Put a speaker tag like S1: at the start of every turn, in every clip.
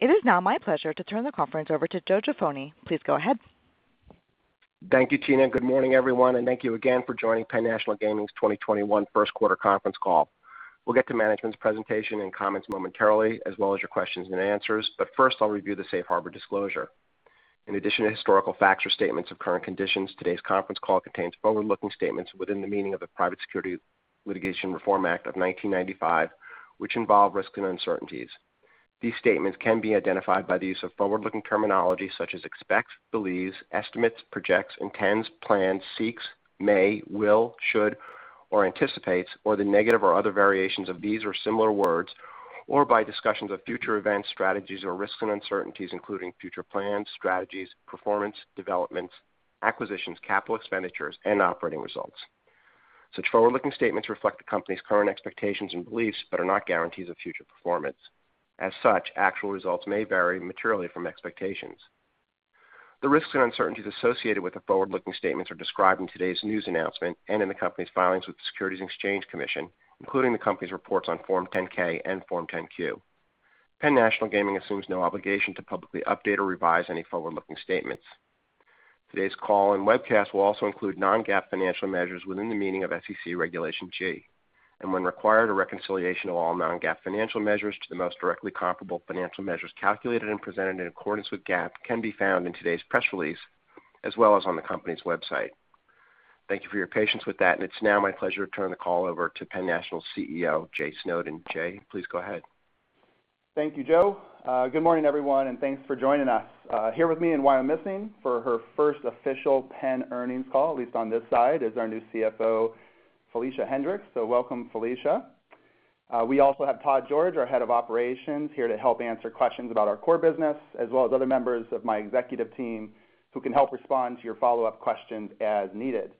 S1: It is now my pleasure to turn the conference over to Joseph N. Jaffoni. Please go ahead.
S2: Thank you, Tina. Good morning, everyone. Thank you again for joining PENN National Gaming's 2021 First Quarter Conference Call. We'll get to management's presentation and comments momentarily, as well as your questions and answers. First, I'll review the Safe Harbor disclosure. In addition to historical facts or statements of current conditions, today's conference call contains forward-looking statements within the meaning of the Private Securities Litigation Reform Act of 1995, which involve risks and uncertainties. These statements can be identified by the use of forward-looking terminology such as expects, believes, estimates, projects, intends, plans, seeks, may, will, should, or anticipates, or the negative or other variations of these or similar words, or by discussions of future events, strategies, or risks and uncertainties, including future plans, strategies, performance, developments, acquisitions, capital expenditures, and operating results. Such forward-looking statements reflect the company's current expectations and beliefs but are not guarantees of future performance. As such, actual results may vary materially from expectations. The risks and uncertainties associated with the forward-looking statements are described in today's news announcement and in the company's filings with the Securities and Exchange Commission, including the company's reports on Form 10-K and Form 10-Q. Penn National Gaming assumes no obligation to publicly update or revise any forward-looking statements. Today's call and webcast will also include non-GAAP financial measures within the meaning of SEC Regulation G. When required, a reconciliation of all non-GAAP financial measures to the most directly comparable financial measures calculated and presented in accordance with GAAP can be found in today's press release, as well as on the company's website. Thank you for your patience with that, and it is now my pleasure to turn the call over to Penn National's CEO, Jay Snowden. Jay, please go ahead.
S3: Thank you, Joe. Good morning, everyone, Thanks for joining us. Here with me, Who I'm missing for her first official PENN earnings call, at least on this side, is our new CFO, Felicia Hendrix. Welcome, Felicia. We also have Todd George, our head of operations, here to help answer questions about our core business, as well as other members of my executive team who can help respond to your follow-up questions as needed.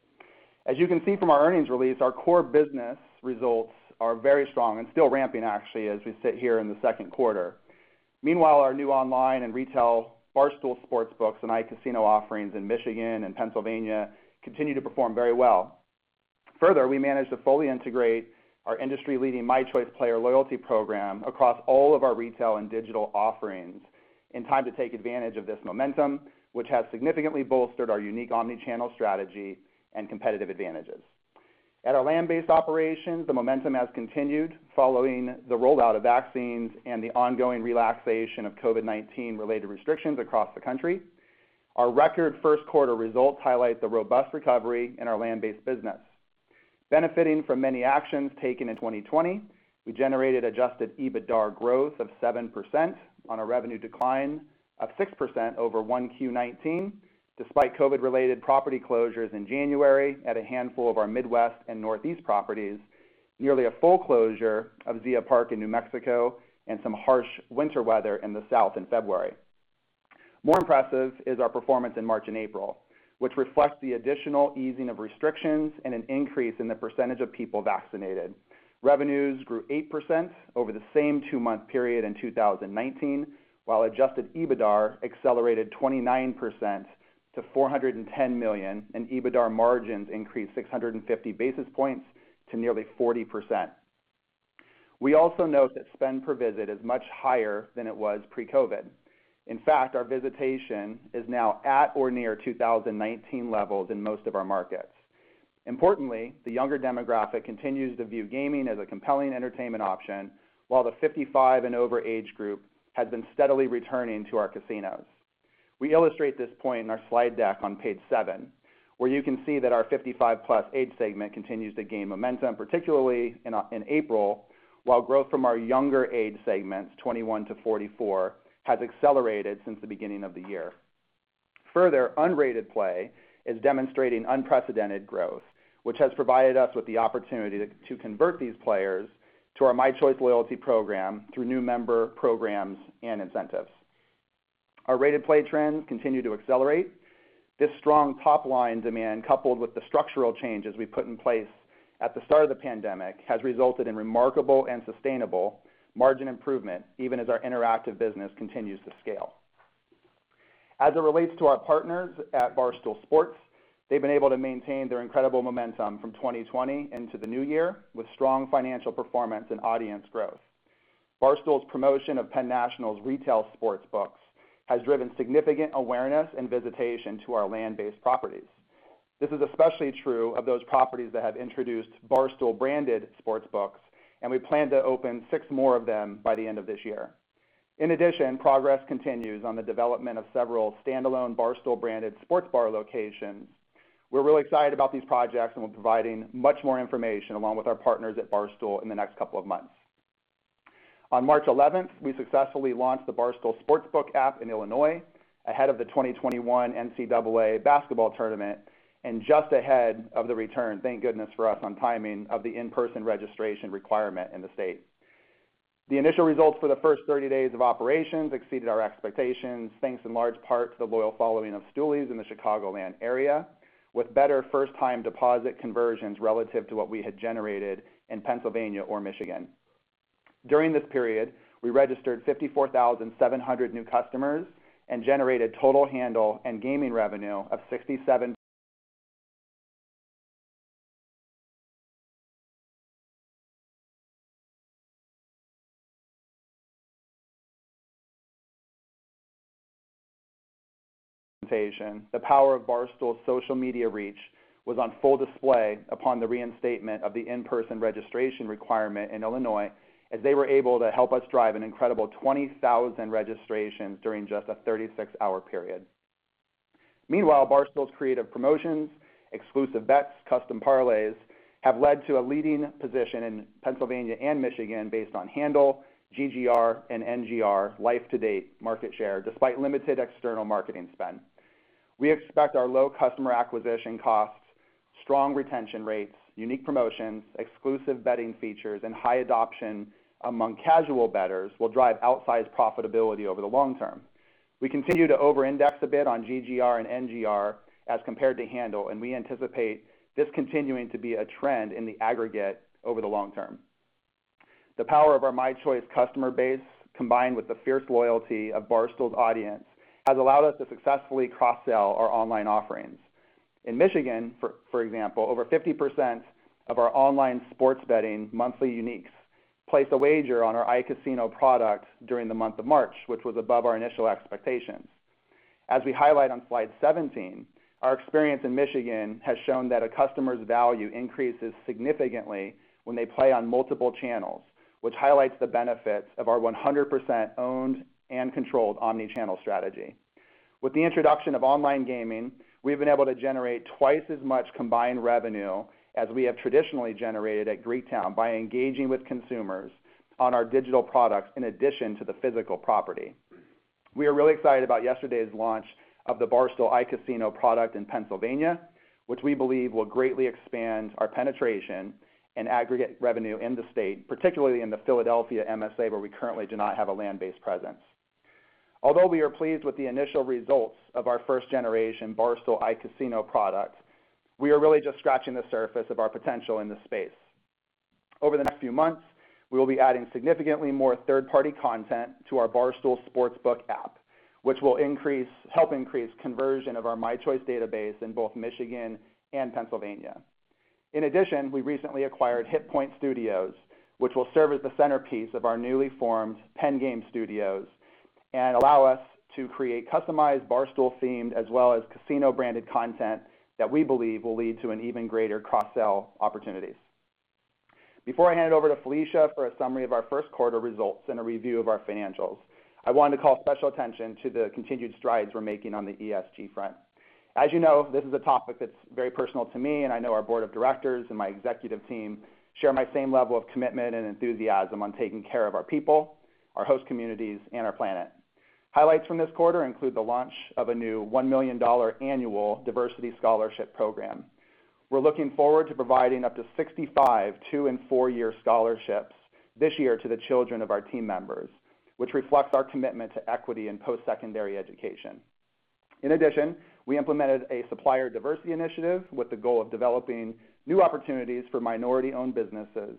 S3: You can see from our earnings release, our core business results are very strong and still ramping, actually, as we sit here in the second quarter. Our new online and retail Barstool Sportsbooks and iCasino offerings in Michigan and Pennsylvania continue to perform very well. Further, we managed to fully integrate our industry-leading mychoice player loyalty program across all of our retail and digital offerings in time to take advantage of this momentum, which has significantly bolstered our unique omni-channel strategy and competitive advantages. At our land-based operations, the momentum has continued following the rollout of vaccines and the ongoing relaxation of COVID-19-related restrictions across the country. Our record first quarter results highlight the robust recovery in our land-based business. Benefiting from many actions taken in 2020, we generated adjusted EBITDA growth of 7% on a revenue decline of 6% over 1Q19, despite COVID-related property closures in January at a handful of our Midwest and Northeast properties, nearly a full closure of Zia Park in New Mexico, and some harsh winter weather in the South in February. More impressive is our performance in March and April, which reflects the additional easing of restrictions and an increase in the percentage of people vaccinated. Revenues grew 8% over the same two-month period in 2019, while adjusted EBITDA accelerated 29% to $410 million, and EBITDA margins increased 650 basis points to nearly 40%. We also note that spend per visit is much higher than it was pre-COVID. In fact, our visitation is now at or near 2019 levels in most of our markets. Importantly, the younger demographic continues to view gaming as a compelling entertainment option, while the 55 and over age group has been steadily returning to our casinos. We illustrate this point in our slide deck on Page seven, where you can see that our 55+ age segment continues to gain momentum, particularly in April, while growth from our younger age segments, 21 to 44, has accelerated since the beginning of the year. Further, unrated play is demonstrating unprecedented growth, which has provided us with the opportunity to convert these players to our mychoice loyalty program through new member programs and incentives. Our rated play trends continue to accelerate. This strong top-line demand, coupled with the structural changes we put in place at the start of the pandemic, has resulted in remarkable and sustainable margin improvement, even as our interactive business continues to scale. As it relates to our partners at Barstool Sports, they've been able to maintain their incredible momentum from 2020 into the new year with strong financial performance and audience growth. Barstool's promotion of Penn National's retail sportsbooks has driven significant awareness and visitation to our land-based properties. This is especially true of those properties that have introduced Barstool-branded sportsbooks, and we plan to open six more of them by the end of this year. In addition, progress continues on the development of several standalone Barstool-branded sports bar locations. We're really excited about these projects, and we're providing much more information along with our partners at Barstool in the next couple of months. On 11th March, we successfully launched the Barstool Sportsbook app in Illinois ahead of the 2021 NCAA basketball tournament and just ahead of the return, thank goodness for us on timing, of the in-person registration requirement in the state. The initial results for the first 30 days of operations exceeded our expectations, thanks in large part to the loyal following of Stoolies in the Chicagoland area, with better first-time deposit conversions relative to what we had generated in Pennsylvania or Michigan. During this period, we registered 54,700 new customers and generated total handle and gaming revenue of $67 million. The power of Barstool's social media reach was on full display upon the reinstatement of the in-person registration requirement in Illinois, as they were able to help us drive an incredible 20,000 registrations during just a 36-hour period. Meanwhile, Barstool's creative promotions, exclusive bets, custom parlays, have led to a leading position in Pennsylvania and Michigan based on handle, GGR, and NGR life-to-date market share, despite limited external marketing spend. We expect our low customer acquisition costs, strong retention rates, unique promotions, exclusive betting features, and high adoption among casual bettors will drive outsized profitability over the long term. We continue to over-index a bit on GGR and NGR as compared to handle. We anticipate this continuing to be a trend in the aggregate over the long term. The power of our mychoice customer base, combined with the fierce loyalty of Barstool's audience, has allowed us to successfully cross-sell our online offerings. In Michigan, for example, over 50% of our online sports betting monthly uniques placed a wager on our iCasino product during the month of March, which was above our initial expectations. As we highlight on slide 17, our experience in Michigan has shown that a customer's value increases significantly when they play on multiple channels, which highlights the benefits of our 100% owned and controlled omni-channel strategy. With the introduction of online gaming, we've been able to generate twice as much combined revenue as we have traditionally generated at Greektown by engaging with consumers on our digital products in addition to the physical property. We are really excited about yesterday's launch of the Barstool iCasino product in Pennsylvania, which we believe will greatly expand our penetration and aggregate revenue in the state, particularly in the Philadelphia MSA, where we currently do not have a land-based presence. Although we are pleased with the initial results of our first-generation Barstool iCasino product, we are really just scratching the surface of our potential in this space. Over the next few months, we will be adding significantly more third-party content to our Barstool Sportsbook app, which will help increase conversion of our mychoice database in both Michigan and Pennsylvania. In addition, we recently acquired HitPoint Studios, which will serve as the centerpiece of our newly formed Penn Game Studios and allow us to create customized Barstool-themed as well as casino-branded content that we believe will lead to an even greater cross-sell opportunities. Before I hand it over to Felicia for a summary of our first quarter results and a review of our financials, I wanted to call special attention to the continued strides we're making on the ESG front. As you know, this is a topic that's very personal to me, and I know our board of directors and my executive team share my same level of commitment and enthusiasm on taking care of our people, our host communities, and our planet. Highlights from this quarter include the launch of a new $1 million annual diversity scholarship program. We're looking forward to providing up to 65, two and four-year scholarships this year to the children of our team members, which reflects our commitment to equity and post-secondary education. In addition, we implemented a supplier diversity initiative with the goal of developing new opportunities for minority-owned businesses.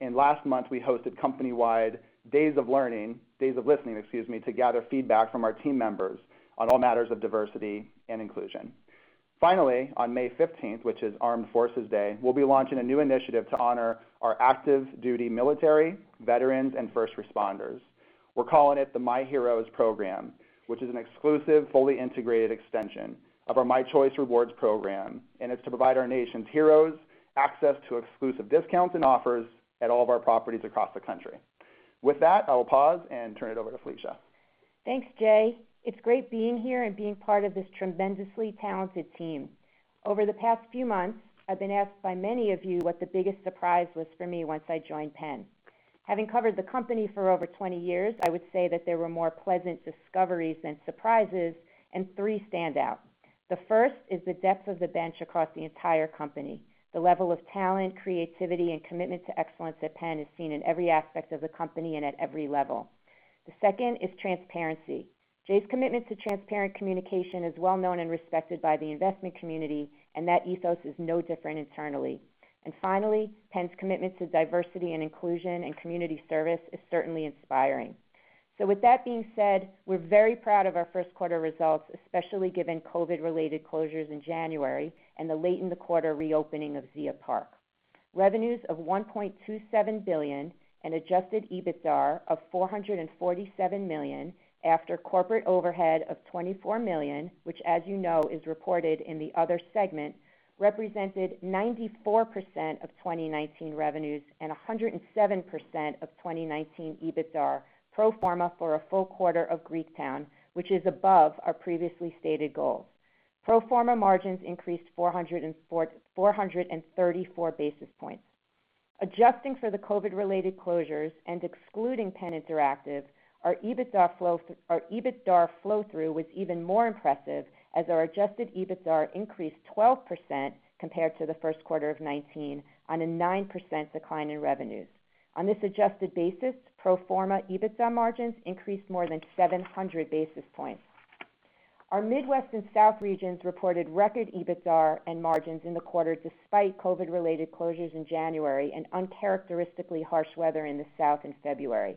S3: Last month, we hosted company-wide Days of Listening, to gather feedback from our team members on all matters of diversity and inclusion. Finally, on 15th May, which is Armed Forces Day, we'll be launching a new initiative to honor our active duty military, veterans, and first responders. We're calling it the myheroes program, which is an exclusive, fully integrated extension of our mychoice Rewards program, and it's to provide our nation's heroes access to exclusive discounts and offers at all of our properties across the country. With that, I will pause and turn it over to Felicia.
S4: Thanks, Jay. It's great being here and being part of this tremendously talented team. Over the past few months, I've been asked by many of you what the biggest surprise was for me once I joined Penn. Having covered the company for over 20 years, I would say that there were more pleasant discoveries than surprises, and three stand out. The first is the depth of the bench across the entire company. The level of talent, creativity, and commitment to excellence at Penn is seen in every aspect of the company and at every level. The second is transparency. Jay's commitment to transparent communication is well known and respected by the investment community, and that ethos is no different internally. Finally, Penn's commitment to diversity and inclusion and community service is certainly inspiring. With that being said, we're very proud of our first quarter results, especially given COVID-related closures in January and the late in the quarter reopening of Zia Park. Revenues of $1.27 billion and adjusted EBITDA of $447 million after corporate overhead of $24 million, which as you know is reported in the other segment, represented 94% of 2019 revenues and 107% of 2019 EBITDA pro forma for a full quarter of Greektown, which is above our previously stated goals. Pro forma margins increased 434 basis points. Adjusting for the COVID-related closures and excluding Penn Interactive, our EBITDA flow-through was even more impressive as our adjusted EBITDA increased 12% compared to the first quarter of 2019 on a 9% decline in revenues. On this adjusted basis, pro forma EBITDA margins increased more than 700 basis points. Our Midwest and South regions reported record EBITDA and margins in the quarter, despite COVID-related closures in January and uncharacteristically harsh weather in the South in February.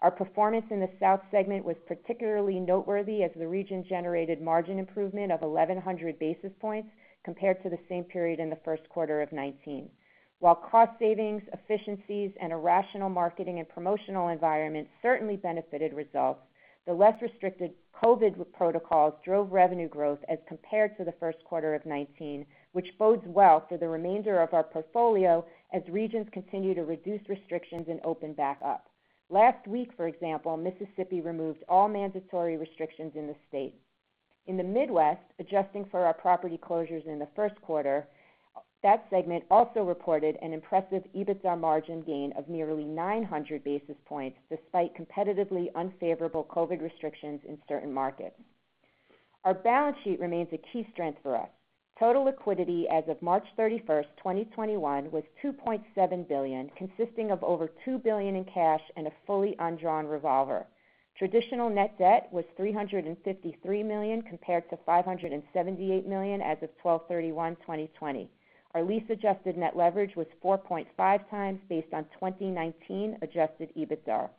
S4: Our performance in the South segment was particularly noteworthy, as the region generated margin improvement of 1,100 basis points compared to the same period in the first quarter of 2019. While cost savings, efficiencies, and a rational marketing and promotional environment certainly benefited results, the less restricted COVID protocols drove revenue growth as compared to the first quarter of 2019, which bodes well for the remainder of our portfolio as regions continue to reduce restrictions and open back up. Last week, for example, Mississippi removed all mandatory restrictions in the state. In the Midwest, adjusting for our property closures in the first quarter, that segment also reported an impressive EBITDA margin gain of nearly 900 basis points, despite competitively unfavorable COVID restrictions in certain markets. Our balance sheet remains a key strength for us. Total liquidity as of 31st March, 2021 was $2.7 billion, consisting of over $2 billion in cash and a fully undrawn revolver. Traditional net debt was $353 million, compared to $578 million as of 12/31/2020. Our lease-adjusted net leverage was 4.5 times based on 2019 adjusted EBITDA.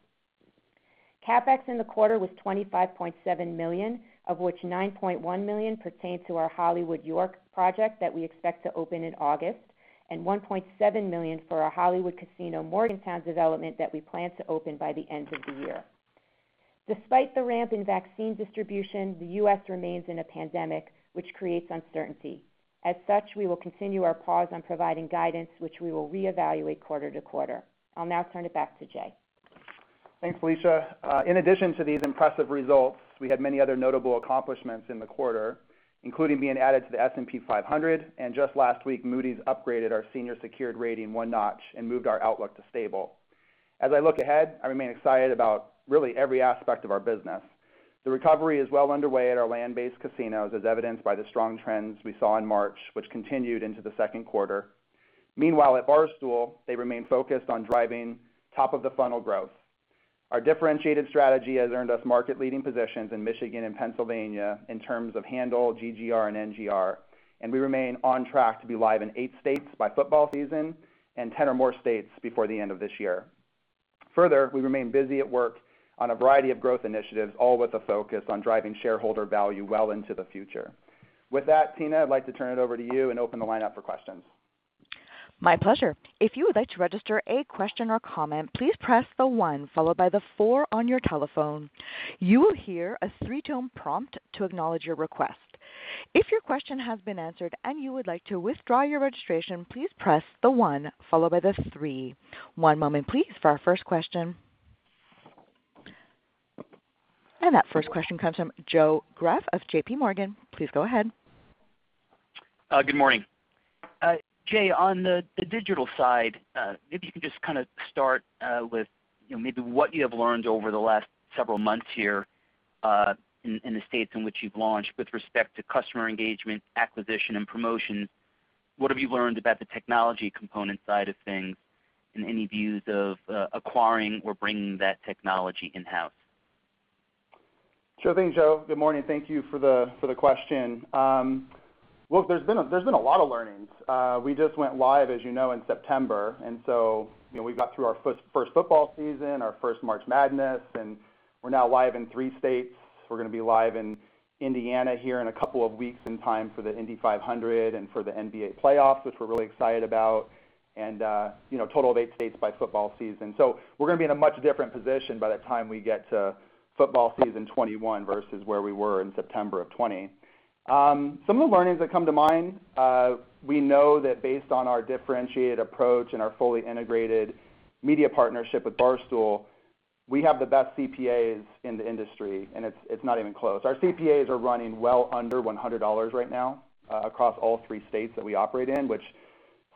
S4: CapEx in the quarter was $25.7 million, of which $9.1 million pertains to our Hollywood York project that we expect to open in August, and $1.7 million for our Hollywood Casino Morgantown development that we plan to open by the end of the year. Despite the ramp in vaccine distribution, the U.S. remains in a pandemic, which creates uncertainty. As such, we will continue our pause on providing guidance, which we will reevaluate quarter to quarter. I'll now turn it back to Jay.
S3: Thanks, Felicia. In addition to these impressive results, we had many other notable accomplishments in the quarter, including being added to the S&P 500. Just last week, Moody's upgraded our senior secured rating one notch and moved our outlook to stable. As I look ahead, I remain excited about really every aspect of our business. The recovery is well underway at our land-based casinos, as evidenced by the strong trends we saw in March, which continued into the second quarter. Meanwhile, at Barstool, they remain focused on driving top-of-the-funnel growth. Our differentiated strategy has earned us market-leading positions in Michigan and Pennsylvania in terms of handle, GGR, and NGR. We remain on track to be live in eight states by football season and 10 or more states before the end of this year. Further, we remain busy at work on a variety of growth initiatives, all with a focus on driving shareholder value well into the future. With that, Tina, I'd like to turn it over to you and open the line up for questions.
S1: That first question comes from Joseph Greff of J.P. Morgan. Please go ahead.
S5: Good morning. Jay, on the digital side, maybe you can just kind of start with maybe what you have learned over the last several months here in the states in which you've launched with respect to customer engagement, acquisition, and promotion. What have you learned about the technology component side of things, and any views of acquiring or bringing that technology in-house?
S3: Sure thing, Joe. Good morning. Thank you for the question. Look, there's been a lot of learnings. We just went live, as you know, in September. We got through our first football season, our first March Madness, and we're now live in three states. We're going to be live in Indiana here in a couple of weeks in time for the Indy 500 and for the NBA playoffs, which we're really excited about, and a total of eight states by football season. We're going to be in a much different position by the time we get to football season 2021 versus where we were in September of 2020. Some of the learnings that come to mind, we know that based on our differentiated approach and our fully integrated media partnership with Barstool Sports, we have the best CPAs in the industry, and it's not even close. Our CPAs are running well under $100 right now across all three states that we operate in, which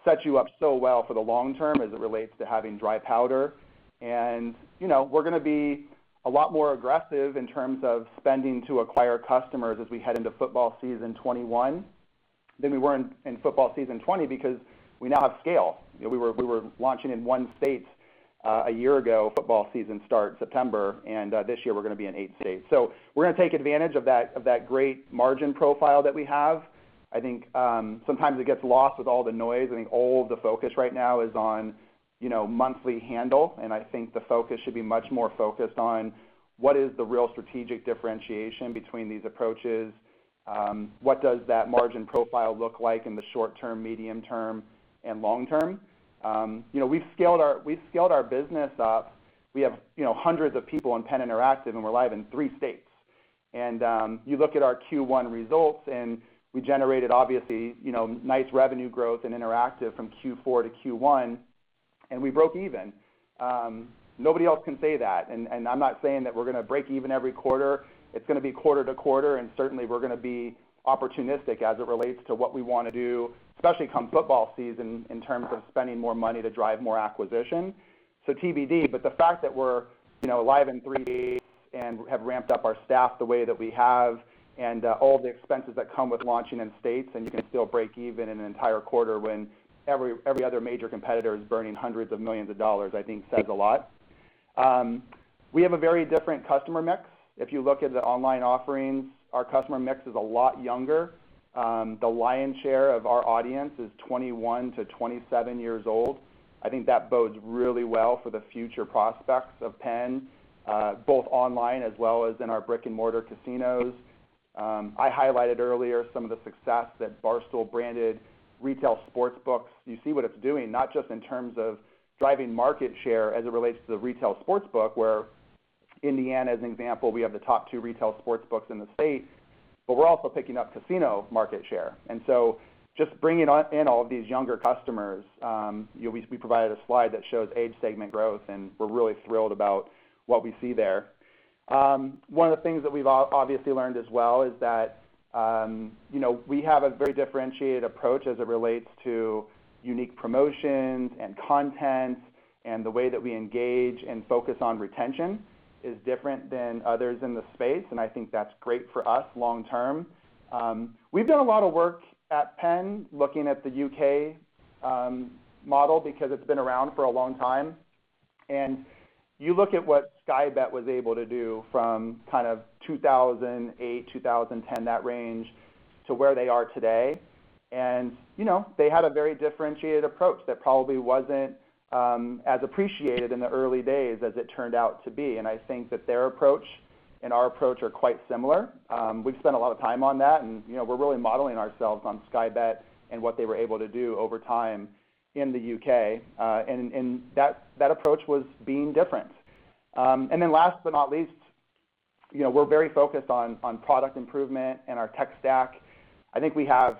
S3: sets you up so well for the long term as it relates to having dry powder. We're going to be a lot more aggressive in terms of spending to acquire customers as we head into football season '21 than we were in football season '20 because we now have scale. We were launching in one state a year ago, football season start, September, and this year we're going to be in eight states. We're going to take advantage of that great margin profile that we have. I think sometimes it gets lost with all the noise. I think all the focus right now is on monthly handle, and I think the focus should be much more focused on what is the real strategic differentiation between these approaches. What does that margin profile look like in the short term, medium term, and long term? We've scaled our business up. We have hundreds of people in Penn Interactive, and we're live in three states. You look at our Q1 results, and we generated, obviously, nice revenue growth in interactive from Q4 to Q1, and we broke even. Nobody else can say that. I'm not saying that we're going to break even every quarter. It's going to be quarter to quarter, and certainly, we're going to be opportunistic as it relates to what we want to do, especially come football season, in terms of spending more money to drive more acquisition. TBD, but the fact that we're live in three states and have ramped up our staff the way that we have and all the expenses that come with launching in states, and you can still break even in an entire quarter when every other major competitor is burning hundreds of millions of dollars, I think says a lot. We have a very different customer mix. If you look at the online offerings, our customer mix is a lot younger. The lion's share of our audience is 21-27 years old. I think that bodes really well for the future prospects of PENN, both online as well as in our brick-and-mortar casinos. I highlighted earlier some of the success that Barstool branded retail sports books. You see what it's doing, not just in terms of driving market share as it relates to the retail sports book, where Indiana, as an example, we have the top two retail sports books in the state, but we're also picking up casino market share. Just bringing in all of these younger customers, we provided a slide that shows age segment growth, and we're really thrilled about what we see there. One of the things that we've obviously learned as well is that we have a very differentiated approach as it relates to unique promotions and content, and the way that we engage and focus on retention is different than others in the space, and I think that's great for us long term. We've done a lot of work at PENN looking at the U.K. model because it's been around for a long time. You look at what Sky Bet was able to do from 2008, 2010, that range, to where they are today. They had a very differentiated approach that probably wasn't as appreciated in the early days as it turned out to be. I think that their approach and our approach are quite similar. We've spent a lot of time on that, and we're really modeling ourselves on Sky Bet and what they were able to do over time in the U.K. That approach was being different. Last but not least, we're very focused on product improvement and our tech stack. I think we have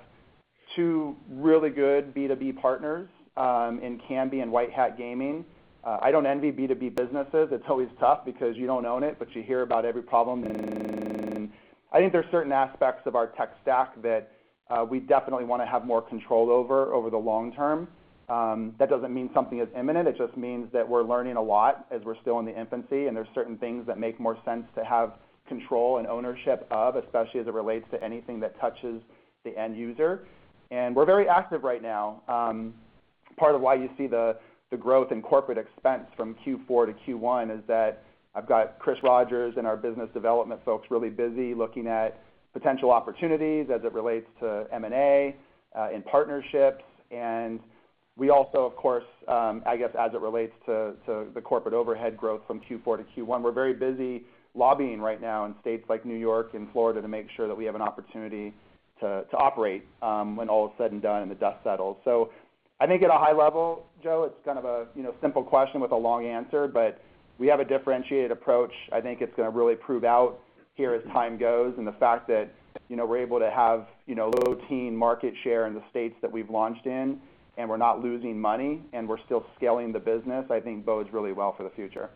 S3: two really good B2B partners in Kambi and White Hat Gaming. I don't envy B2B businesses. It's always tough because you don't own it, but you hear about every problem. I think there are certain aspects of our tech stack that we definitely want to have more control over the long term. That doesn't mean something is imminent. It just means that we're learning a lot as we're still in the infancy, and there's certain things that make more sense to have control and ownership of, especially as it relates to anything that touches the end user. We're very active right now. Part of why you see the growth in corporate expense from Q4-Q1 is that I've got Chris Rogers and our business development folks really busy looking at potential opportunities as it relates to M&A in partnerships. We also, of course, I guess, as it relates to the corporate overhead growth from Q4-Q1, we're very busy lobbying right now in states like New York and Florida to make sure that we have an opportunity to operate when all is said and done and the dust settles. I think at a high level, Joe, it's kind of a simple question with a long answer, but we have a differentiated approach. I think it's going to really prove out here as time goes, and the fact that we're able to have low teen market share in the states that we've launched in, and we're not losing money, and we're still scaling the business, I think bodes really well for the future.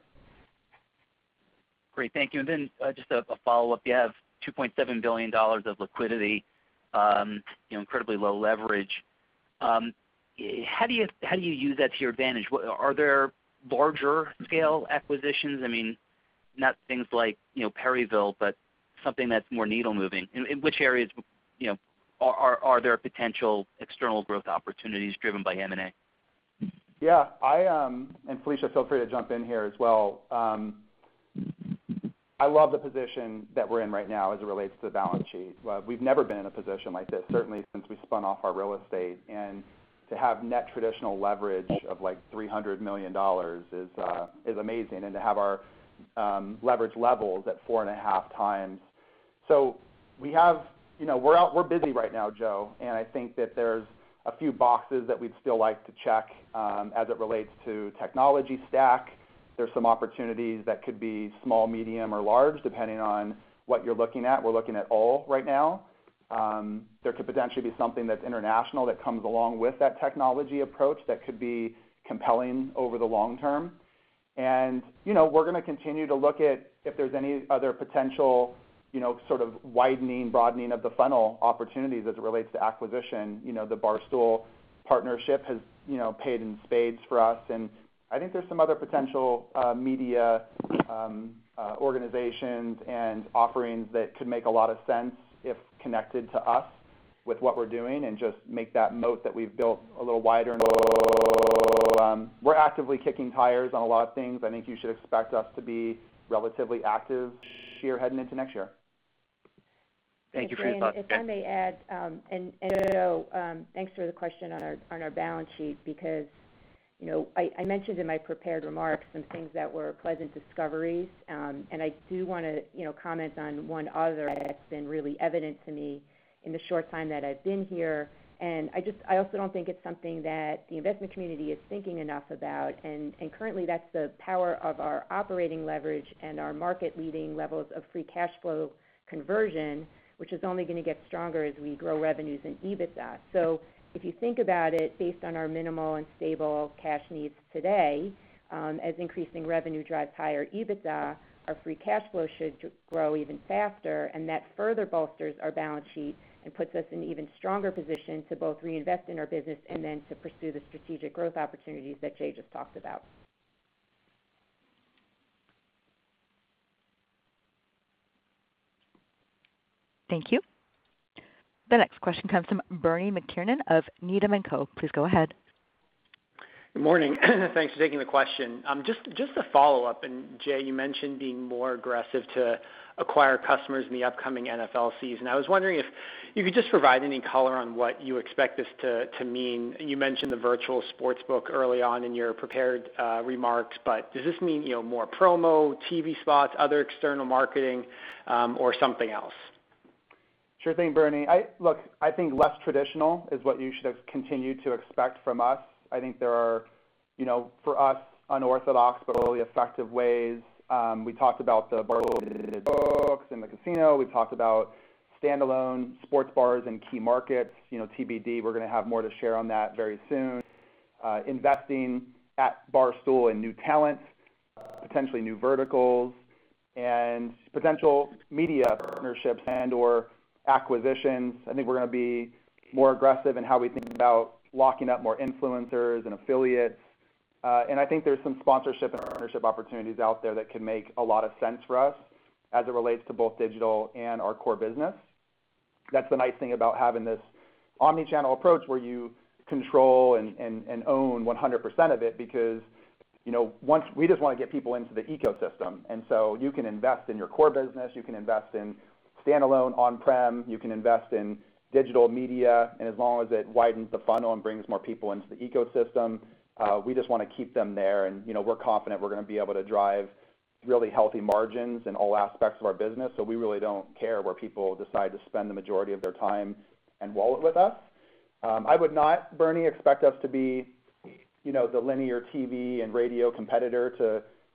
S5: Great. Thank you. Just a follow-up. You have $2.7 billion of liquidity, incredibly low leverage. How do you use that to your advantage? Are there larger scale acquisitions? Not things like Perryville, but something that's more needle moving. In which areas are there potential external growth opportunities driven by M&A?
S3: Yeah. Felicia Hendrix, feel free to jump in here as well. I love the position that we're in right now as it relates to the balance sheet. We've never been in a position like this, certainly since we spun off our real estate. To have net traditional leverage of $300 million is amazing, and to have our leverage levels at 4.5 times. We're busy right now, Joseph Greff, and I think that there's a few boxes that we'd still like to check as it relates to technology stack. There's some opportunities that could be small, medium, or large, depending on what you're looking at. We're looking at all right now. There could potentially be something that's international that comes along with that technology approach that could be compelling over the long term. We're going to continue to look at if there's any other potential sort of widening, broadening of the funnel opportunities as it relates to acquisition. The Barstool partnership has paid in spades for us. I think there's some other potential media organizations and offerings that could make a lot of sense if connected to us with what we're doing and just make that moat that we've built a little wider. We're actively kicking tires on a lot of things. I think you should expect us to be relatively active this year heading into next year.
S5: Thank you very much.
S4: If I may add, Joe, thanks for the question on our balance sheet, because I mentioned in my prepared remarks some things that were pleasant discoveries. I do want to comment on one other that's been really evident to me in the short time that I've been here. I also don't think it's something that the investment community is thinking enough about. Currently, that's the power of our operating leverage and our market leading levels of free cash flow conversion, which is only going to get stronger as we grow revenues and EBITDA. If you think about it based on our minimal and stable cash needs today, as increasing revenue drives higher EBITDA, our free cash flow should grow even faster, and that further bolsters our balance sheet and puts us in even stronger position to both reinvest in our business and then to pursue the strategic growth opportunities that Jay just talked about.
S1: Thank you. The next question comes from Bernie McTernan of Needham & Company. Please go ahead.
S6: Good morning. Thanks for taking the question. Jay, you mentioned being more aggressive to acquire customers in the upcoming NFL season. I was wondering if you could just provide any color on what you expect this to mean. You mentioned the Barstool Sportsbook early on in your prepared remarks, but does this mean more promo, TV spots, other external marketing, or something else?
S3: Sure thing, Bernie. Look, I think less traditional is what you should continue to expect from us. I think there are, for us, unorthodox but really effective ways. We talked about the Barstool in the casino. We talked about standalone sports bars in key markets. TBD, we're going to have more to share on that very soon. Investing at Barstool in new talent, potentially new verticals, and potential media partnerships and/or acquisitions. I think we're going to be more aggressive in how we think about locking up more influencers and affiliates. I think there's some sponsorship and partnership opportunities out there that can make a lot of sense for us as it relates to both digital and our core business. That's the nice thing about having this omni-channel approach, where you control and own 100% of it, because we just want to get people into the ecosystem. You can invest in your core business, you can invest in standalone on-prem, you can invest in digital media, and as long as it widens the funnel and brings more people into the ecosystem, we just want to keep them there. We're confident we're going to be able to drive really healthy margins in all aspects of our business. We really don't care where people decide to spend the majority of their time and wallet with us. I would not, Bernie, expect us to be the linear TV and radio competitor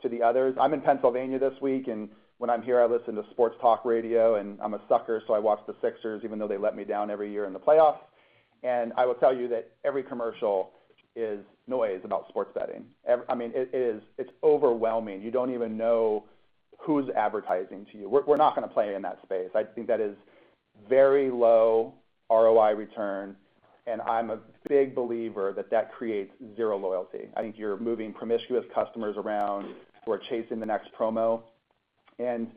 S3: to the others. I'm in Pennsylvania this week, and when I'm here, I listen to sports talk radio, and I'm a sucker, so I watch the Sixers even though they let me down every year in the playoffs. I will tell you that every commercial is noise about sports betting. It's overwhelming. You don't even know who's advertising to you. We're not going to play in that space. I think that is very low ROI return, and I'm a big believer that that creates zero loyalty. I think you're moving promiscuous customers around who are chasing the next promo. The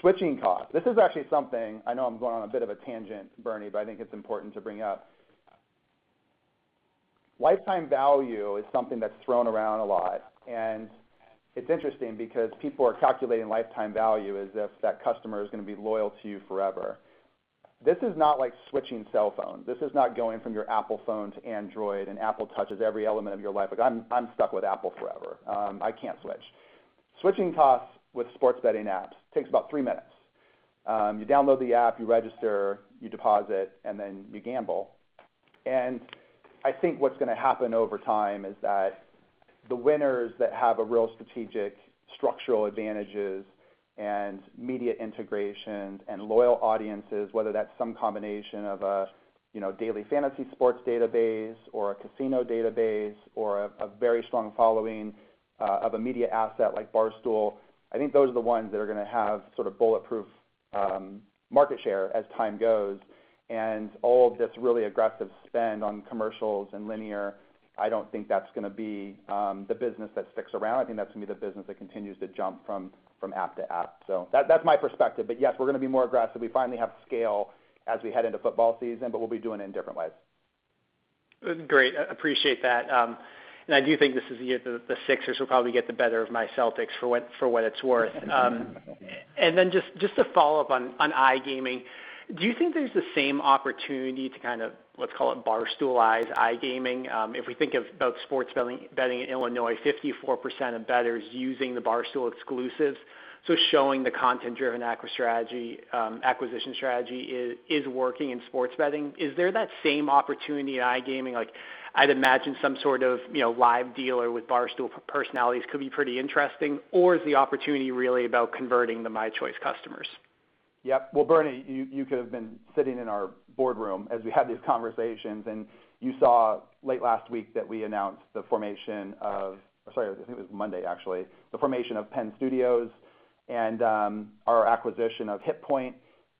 S3: switching cost, this is actually something, I know I'm going on a bit of a tangent, Bernie, but I think it's important to bring up. Lifetime value is something that's thrown around a lot, and it's interesting because people are calculating lifetime value as if that customer is going to be loyal to you forever. This is not like switching cell phones. This is not going from your Apple phone to Android and Apple touches every element of your life. Like, I'm stuck with Apple forever. I can't switch. Switching costs with sports betting apps takes about three minutes. You download the app, you register, you deposit, and then you gamble. I think what's going to happen over time is that the winners that have a real strategic structural advantages and media integration and loyal audiences, whether that's some combination of a daily fantasy sports database or a casino database or a very strong following of a media asset like Barstool, I think those are the ones that are going to have sort of bulletproof market share as time goes. All of this really aggressive spend on commercials and linear, I don't think that's going to be the business that sticks around. I think that's going to be the business that continues to jump from app to app. That's my perspective. Yes, we're going to be more aggressive. We finally have scale as we head into football season, but we'll be doing it in different ways.
S6: Great. Appreciate that. I do think this is the year the 76ers will probably get the better of my Boston Celtics, for what it's worth. Just to follow up on iGaming, do you think there's the same opportunity to kind of, let's call it Barstool-ize iGaming? If we think of both sports betting in Illinois, 54% of betters using the Barstool exclusive. Showing the content-driven acquisition strategy is working in sports betting. Is there that same opportunity in iGaming? I'd imagine some sort of live dealer with Barstool personalities could be pretty interesting. Is the opportunity really about converting the mychoice customers?
S3: Yep. Well, Bernie, you could have been sitting in our boardroom as we had these conversations. You saw late last week that we announced the formation of Sorry, I think it was Monday, actually. The formation of Penn Studios and our acquisition of HitPoint.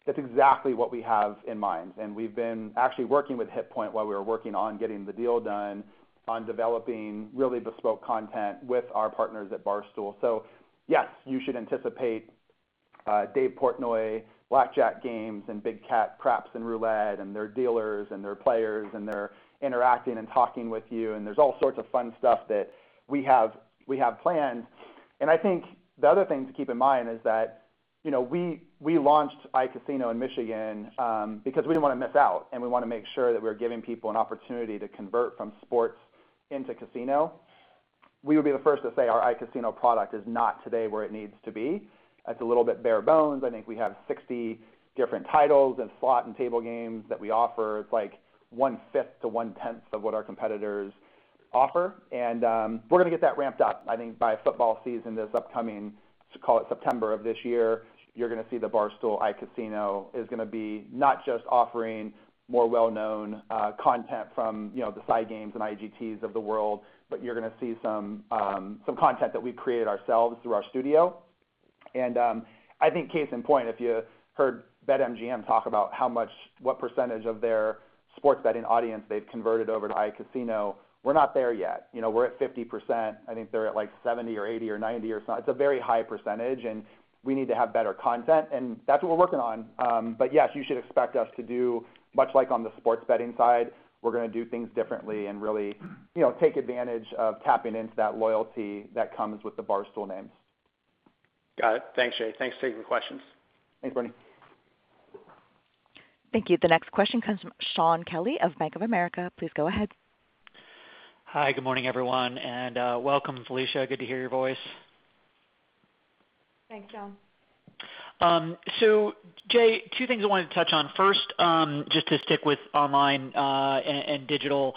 S3: That's exactly what we have in mind. We've been actually working with HitPoint while we were working on getting the deal done on developing really bespoke content with our partners at Barstool. Yes, you should anticipate Dave Portnoy blackjack games and Big Cat craps and roulette and their dealers and their players, and they're interacting and talking with you, and there's all sorts of fun stuff that we have planned. I think the other thing to keep in mind is that we launched iCasino in Michigan because we didn't want to miss out, and we want to make sure that we're giving people an opportunity to convert from sports into casino. We would be the first to say our iCasino product is not today where it needs to be. It's a little bit bare bones. I think we have 60 different titles and slot and table games that we offer. It's like one-fifth to one-tenth of what our competitors offer. We're going to get that ramped up, I think by football season this upcoming, call it September of this year. You're going to see the Barstool iCasino is going to be not just offering more well-known content from the Scientific Games and IGTs of the world, but you're going to see some content that we created ourselves through our studio. I think case in point, if you heard BetMGM talk about what % of their sports betting audience they've converted over to iCasino, we're not there yet. We're at 50%. I think they're at like 70 or 80 or 90 or so. It's a very high percentage, we need to have better content, that's what we're working on. Yes, you should expect us to do much like on the sports betting side, we're going to do things differently and really take advantage of tapping into that loyalty that comes with the Barstool names.
S6: Got it. Thanks, Jay. Thanks for taking the questions.
S3: Thanks, Bernie.
S1: Thank you. The next question comes from Shaun Kelley of Bank of America. Please go ahead.
S7: Hi. Good morning, everyone, and welcome, Felicia, good to hear your voice.
S4: Thanks, Shaun.
S7: Jay, two things I wanted to touch on. First, just to stick with online, and digital.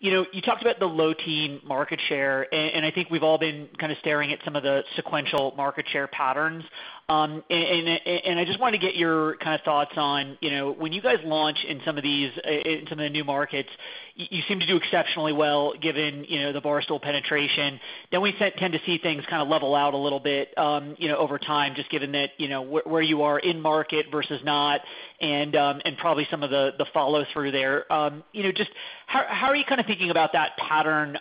S7: You talked about the low-teen market share, and I think we've all been kind of staring at some of the sequential market share patterns. I just wanted to get your kind of thoughts on when you guys launch in some of the new markets, you seem to do exceptionally well given the Barstool penetration. We tend to see things kind of level out a little bit, over time, just given that where you are in market versus not and probably some of the follow-through there. Just how are you kind of thinking about that pattern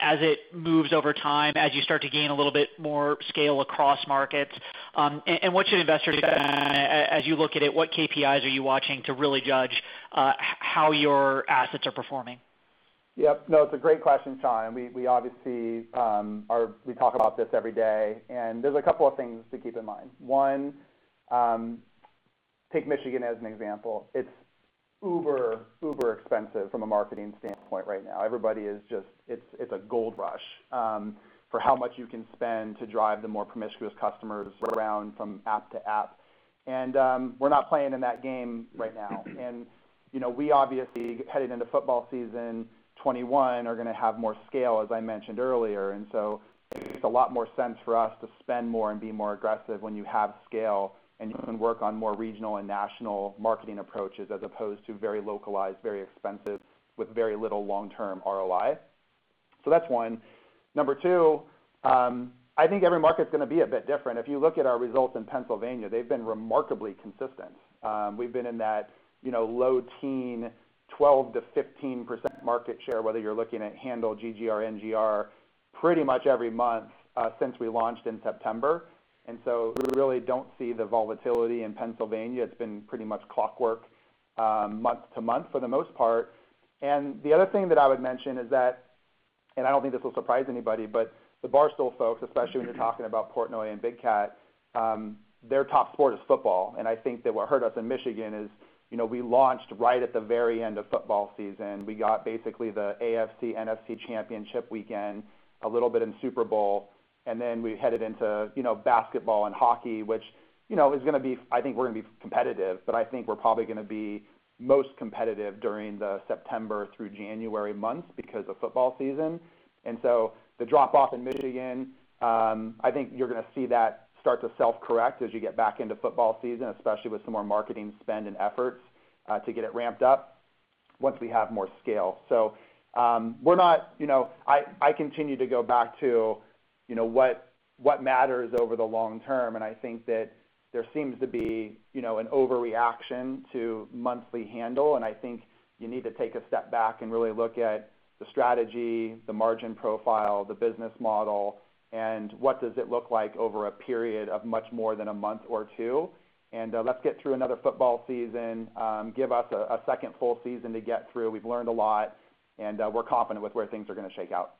S7: as it moves over time, as you start to gain a little bit more scale across markets? As you look at it, what KPIs are you watching to really judge how your assets are performing?
S3: Yep. No, it's a great question, Shaun. We obviously talk about this every day. There's a couple of things to keep in mind. One, take Michigan as an example. It's uber expensive from a marketing standpoint right now. Everybody is It's a gold rush for how much you can spend to drive the more promiscuous customers around from app to app. We're not playing in that game right now. We obviously, headed into football season 2021 are going to have more scale, as I mentioned earlier. It makes a lot more sense for us to spend more and be more aggressive when you have scale and you can work on more regional and national marketing approaches as opposed to very localized, very expensive with very little long-term ROI. That's one. Number two, I think every market's going to be a bit different. If you look at our results in Pennsylvania, they've been remarkably consistent. We've been in that low teen, 12%-15% market share, whether you're looking at handle GGR, NGR pretty much every month, since we launched in September. So we really don't see the volatility in Pennsylvania. It's been pretty much clockwork, month to month for the most part. The other thing that I would mention is that, and I don't think this will surprise anybody, but the Barstool folks, especially when you're talking about Portnoy and Dan Katz, their top sport is football. I think that what hurt us in Michigan is we launched right at the very end of football season. We got basically the AFC, NFC championship weekend, a little bit in Super Bowl, and then we headed into basketball and hockey, which I think we're going to be competitive, but I think we're probably going to be most competitive during the September through January months because of football season. The drop-off in Michigan, I think you're going to see that start to self-correct as you get back into football season, especially with some more marketing spend and efforts to get it ramped up, once we have more scale. I continue to go back to what matters over the long term, and I think that there seems to be an overreaction to monthly handle. I think you need to take a step back and really look at the strategy, the margin profile, the business model, and what does it look like over a period of much more than a month or two. Let's get through another football season. Give us a second full season to get through. We've learned a lot, and we're confident with where things are going to shake out.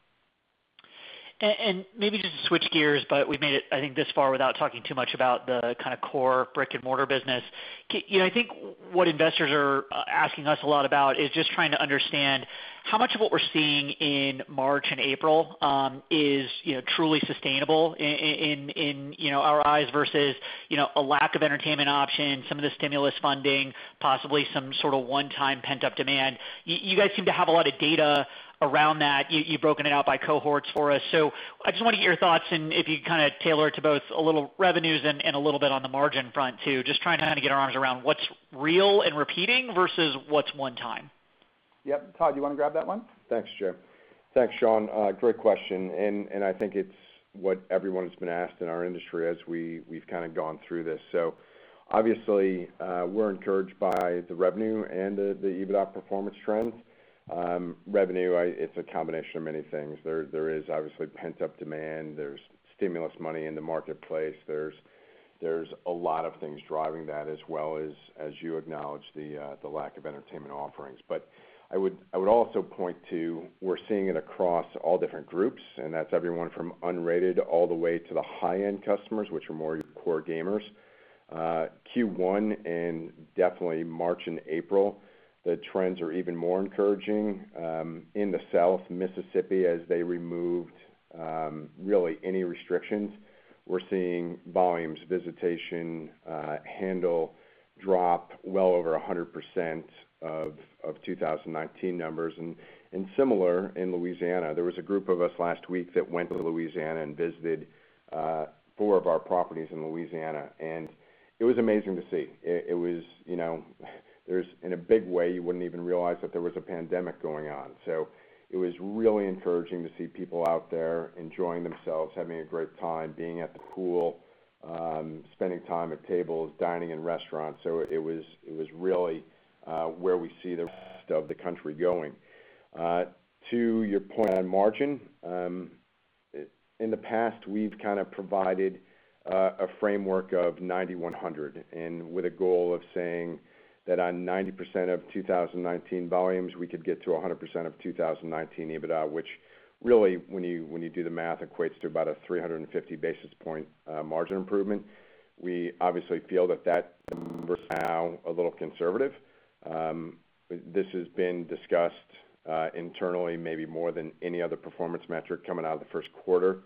S7: Maybe just to switch gears, but we've made it, I think, this far without talking too much about the kind of core brick and mortar business. I think what investors are asking us a lot about is just trying to understand how much of what we're seeing in March and April is truly sustainable in our eyes versus a lack of entertainment options, some of the stimulus funding, possibly some sort of one-time pent-up demand. You guys seem to have a lot of data around that. You've broken it out by cohorts for us. I just want to get your thoughts and if you could kind of tailor it to both a little revenues and a little bit on the margin front too, just trying to get our arms around what's real and repeating versus what's one time.
S3: Yep. Todd, you want to grab that one?
S8: Thanks, Jay. Thanks, Shaun. Great question. I think it's what everyone's been asked in our industry as we've kind of gone through this. Obviously, we're encouraged by the revenue and the EBITDA performance trends. Revenue, it's a combination of many things. There is obviously pent-up demand. There's stimulus money in the marketplace. There's a lot of things driving that as well as you acknowledge, the lack of entertainment offerings. I would also point to, we're seeing it across all different groups, and that's everyone from unrated all the way to the high-end customers, which are more your core gamers. Q1 and definitely March and April, the trends are even more encouraging. In the South, Mississippi, as they removed really any restrictions, we're seeing volumes, visitation, handle drop well over 100% of 2019 numbers. Similar in Louisiana. There was a group of us last week that went to Louisiana and visited four of our properties in Louisiana, and it was amazing to see. In a big way, you wouldn't even realize that there was a pandemic going on. It was really encouraging to see people out there enjoying themselves, having a great time, being at the pool, spending time at tables, dining in restaurants. It was really where we see the rest of the country going. To your point on margin. In the past, we've kind of provided a framework of 9/100, and with a goal of saying that on 90% of 2019 volumes, we could get to 100% of 2019 EBITDA, which really, when you do the math, equates to about a 350 basis point margin improvement. We obviously feel that that number is now a little conservative. This has been discussed internally, maybe more than any other performance metric coming out of the first quarter.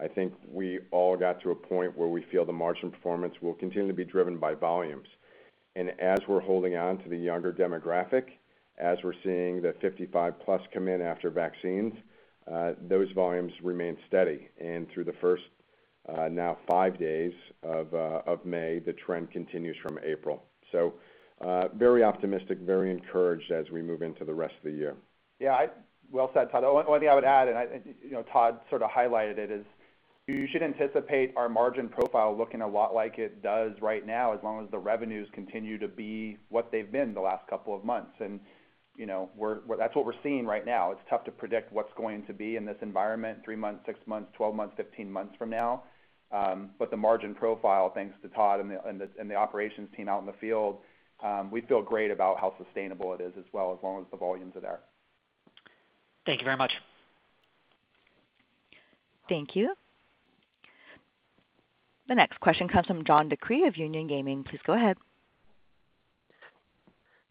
S8: I think we all got to a point where we feel the margin performance will continue to be driven by volumes. As we're holding on to the younger demographic, as we're seeing the 55+ come in after vaccines, those volumes remain steady. Through the first, now five days of May, the trend continues from April. Very optimistic, very encouraged as we move into the rest of the year.
S3: Yeah. Well said, Todd. The only thing I would add, Todd sort of highlighted it, is you should anticipate our margin profile looking a lot like it does right now, as long as the revenues continue to be what they've been the last couple of months. That's what we're seeing right now. It's tough to predict what's going to be in this environment three months, six months, 12 months, 15 months from now. The margin profile, thanks to Todd and the operations team out in the field, we feel great about how sustainable it is as well, as long as the volumes are there.
S7: Thank you very much.
S1: Thank you. The next question comes from John DeCree of Union Gaming. Please go ahead.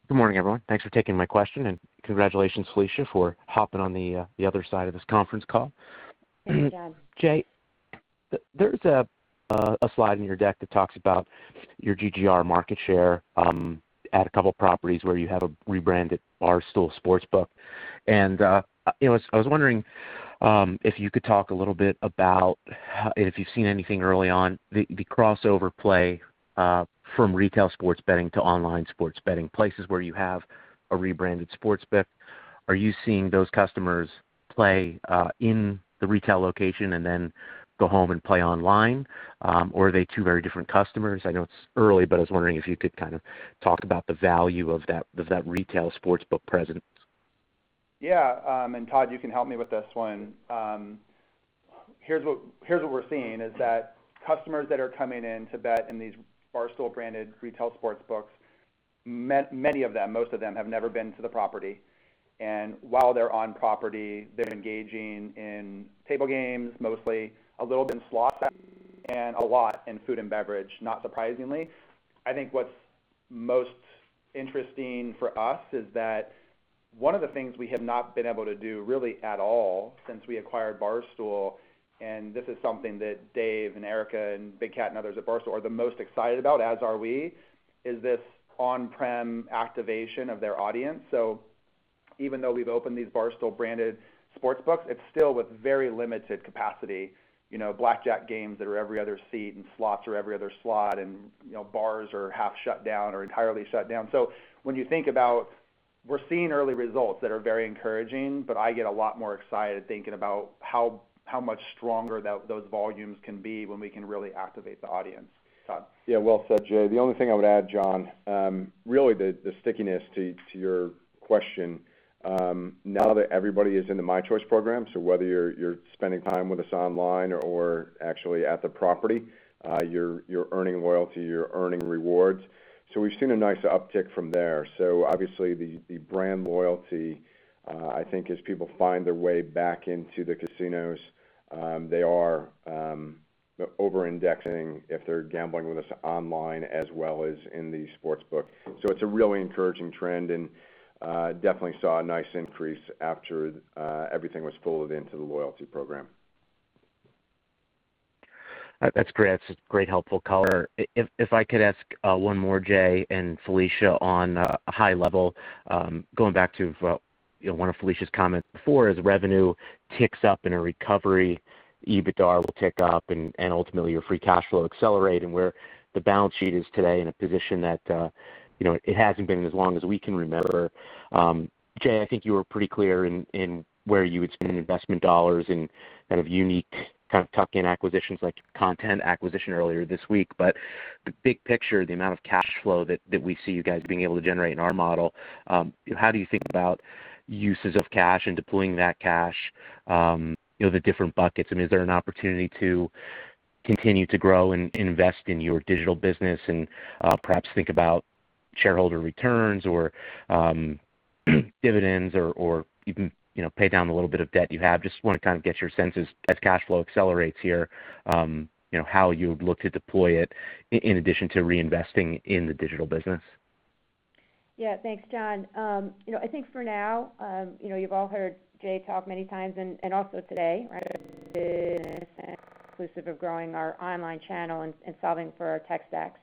S9: Good morning, everyone. Thanks for taking my question. Congratulations, Felicia, for hopping on the other side of this conference call.
S4: Thank you, John.
S9: Jay, there's a slide in your deck that talks about your GGR market share at a couple properties where you have a rebranded Barstool Sportsbook. I was wondering if you could talk a little bit about if you've seen anything early on, the crossover play from retail sports betting to online sports betting, places where you have a rebranded Sportsbook. Are you seeing those customers play in the retail location and then go home and play online? Are they two very different customers? I know it's early, but I was wondering if you could kind of talk about the value of that retail Sportsbook presence.
S3: Yeah. Todd, you can help me with this one. Here's what we're seeing, is that customers that are coming in to bet in these Barstool branded retail Sportsbooks, many of them, most of them, have never been to the property. While they're on property, they're engaging in table games mostly, a little bit in slots, and a lot in food and beverage, not surprisingly. I think what's most interesting for us is that one of the things we have not been able to do really at all since we acquired Barstool, and this is something that Dave and Erika and Dan Katz and others at Barstool are the most excited about, as are we, is this on-prem activation of their audience. Even though we've opened these Barstool branded Sportsbooks, it's still with very limited capacity. Blackjack games that are every other seat, and slots are every other slot, and bars are half shut down or entirely shut down. When you think about, we're seeing early results that are very encouraging, but I get a lot more excited thinking about how much stronger those volumes can be when we can really activate the audience. Todd?
S8: Yeah, well said, Jay. The only thing I would add, John, really the stickiness to your question, now that everybody is in the mychoice program, so whether you're spending time with us online or actually at the property, you're earning loyalty, you're earning rewards. We've seen a nice uptick from there. Obviously the brand loyalty, I think as people find their way back into the casinos, they are over-indexing if they're gambling with us online as well as in the Sportsbook. It's a really encouraging trend, and definitely saw a nice increase after everything was folded into the loyalty program.
S9: That's great. That's a great, helpful color. If I could ask one more, Jay and Felicia, on a high level, going back to one of Felicia's comments before, as revenue ticks up in a recovery, EBITDA will tick up and ultimately your free cash flow accelerate and where the balance sheet is today in a position that it hasn't been in as long as we can remember. Jay, I think you were pretty clear in where you would spend investment dollars in kind of unique tuck-in acquisitions like content acquisition earlier this week. The big picture, the amount of cash flow that we see you guys being able to generate in our model, how do you think about uses of cash and deploying that cash, the different buckets? Is there an opportunity to continue to grow and invest in your digital business and perhaps think about shareholder returns or dividends or even pay down the little bit of debt you have? I just want to kind of get your senses as cash flow accelerates here, how you would look to deploy it in addition to reinvesting in the digital business.
S4: Yeah. Thanks, John. I think for now, you've all heard Jay talk many times and also today, right? Inclusive of growing our online channel and solving for our tech stack.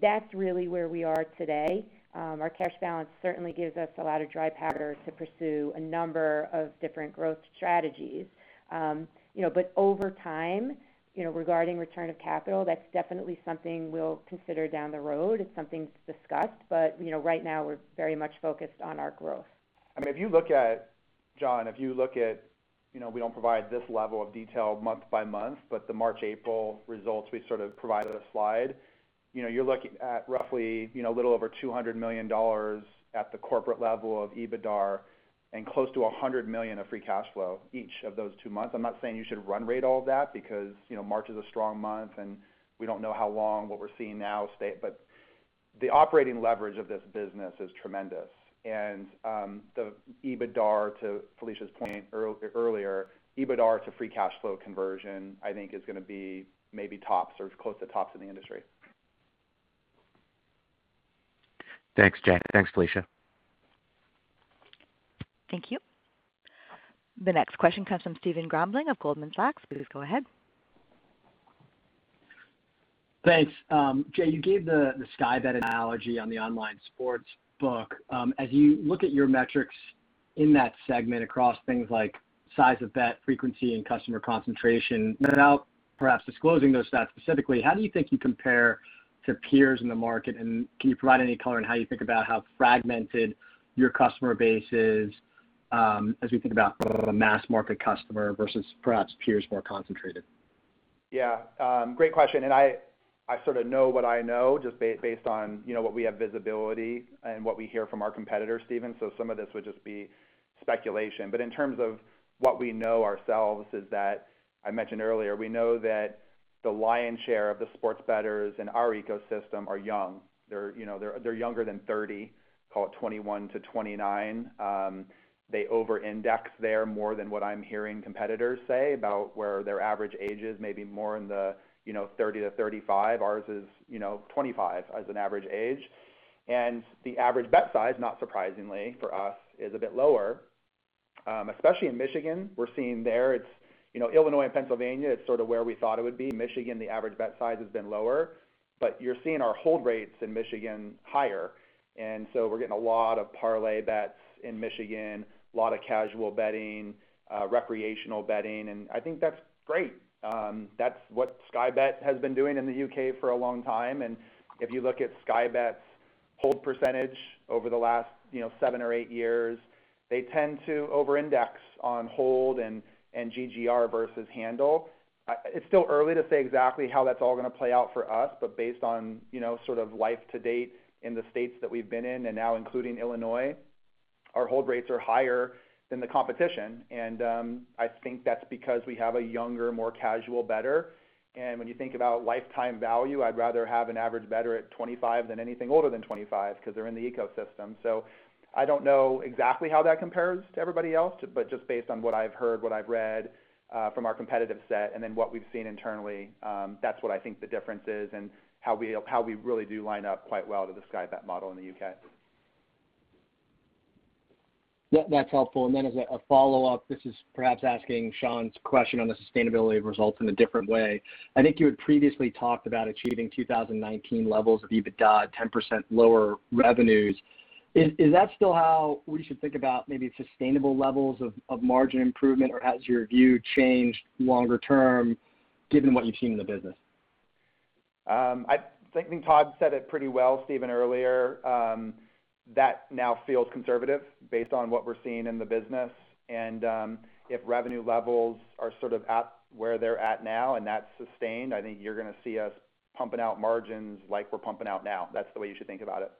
S4: That's really where we are today. Our cash balance certainly gives us a lot of dry powder to pursue a number of different growth strategies. Over time, regarding return of capital, that's definitely something we'll consider down the road. It's something to discuss. Right now, we're very much focused on our growth.
S3: John, if you look at, we don't provide this level of detail month by month, but the March, April results we sort of provided a slide. You're looking at roughly a little over $200 million at the corporate level of EBITDA and close to $100 million of free cash flow each of those two months. I'm not saying you should run rate all of that because March is a strong month, and we don't know how long what we're seeing now stay, but the operating leverage of this business is tremendous. The EBITDA, to Felicia Hendrix's point earlier, EBITDA to free cash flow conversion, I think is going to be maybe tops or close to tops in the industry.
S9: Thanks, Jay. Thanks, Felicia.
S1: Thank you. The next question comes from Stephen Grambling of Goldman Sachs. Please go ahead.
S10: Thanks. Jay, you gave the Sky Bet analogy on the online sportsbook. As you look at your metrics in that segment across things like size of bet, frequency, and customer concentration, without perhaps disclosing those stats specifically, how do you think you compare to peers in the market, and can you provide any color on how you think about how fragmented your customer base is, as we think about the mass market customer versus perhaps peers more concentrated?
S3: Yeah. Great question. I sort of know what I know, just based on what we have visibility and what we hear from our competitors, Stephen. Some of this would just be speculation. In terms of what we know ourselves is that I mentioned earlier, we know that the lion's share of the sports bettors in our ecosystem are young. They're younger than 30, call it 21 to 29. They over-index there more than what I'm hearing competitors say about where their average age is, maybe more in the 30 to 35. Ours is 25 as an average age. The average bet size, not surprisingly for us, is a bit lower. Especially in Michigan, we're seeing there, Illinois and Pennsylvania, it's sort of where we thought it would be. Michigan, the average bet size has been lower, but you're seeing our hold rates in Michigan higher. We're getting a lot of parlay bets in Michigan, a lot of casual betting, recreational betting, and I think that's great. That's what Sky Bet has been doing in the U.K. for a long time, and if you look at Sky Bet's hold percentage over the last seven or eight years, they tend to over-index on hold and GGR versus handle. It's still early to say exactly how that's all going to play out for us, but based on sort of life to date in the states that we've been in, and now including Illinois, our hold rates are higher than the competition, and I think that's because we have a younger, more casual bettor. When you think about lifetime value, I'd rather have an average bettor at 25 than anything older than 25, because they're in the ecosystem. I don't know exactly how that compares to everybody else, but just based on what I've heard, what I've read from our competitive set, and then what we've seen internally, that's what I think the difference is and how we really do line up quite well to the Sky Bet model in the U.K.
S10: Yeah, that's helpful. As a follow-up, this is perhaps asking Shaun's question on the sustainability of results in a different way. I think you had previously talked about achieving 2019 levels of EBITDA, 10% lower revenues. Is that still how we should think about maybe sustainable levels of margin improvement? Has your view changed longer term given what you've seen in the business?
S3: I think Todd said it pretty well, Stephen, earlier. That now feels conservative based on what we're seeing in the business. If revenue levels are sort of at where they're at now and that's sustained, I think you're going to see us pumping out margins like we're pumping out now. That's the way you should think about it.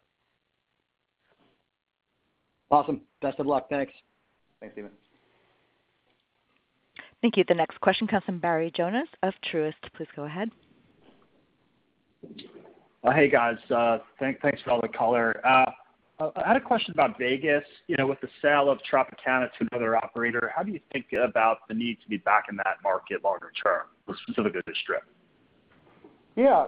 S10: Awesome. Best of luck. Thanks.
S3: Thanks, Stephen.
S1: Thank you. The next question comes from Barry Jonas of Truist. Please go ahead.
S11: Hey, guys. Thanks for all the color. I had a question about Vegas. With the sale of Tropicana to another operator, how do you think about the need to be back in that market longer term, more specifically Strip?
S3: Yeah.